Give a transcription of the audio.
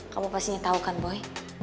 kamu pastinya tahu kan boy